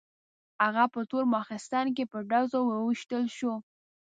هغه په تور ماخستن کې په ډزو وویشتل شو.